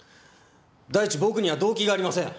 第一僕には動機がありません。